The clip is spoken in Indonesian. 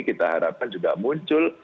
kita harapkan juga muncul